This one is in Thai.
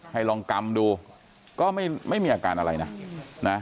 ให้ลองกำดูก็ไม่มีอาการอะไรนะ